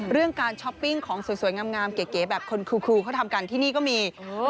เรื่องการช้อปปิ้งของสวยงามเก๋แบบคนครูเขาทำกันที่นี่ก็มี